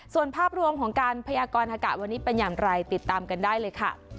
ส่วนภาพรวมของการพยากรอากาศวันนี้เป็นอย่างไรติดตามกันได้เลยค่ะ